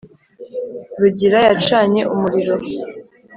rugira yacanye umuriro